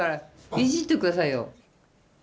いじってくださいよ。